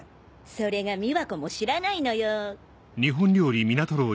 それが美和子も知らないのよ。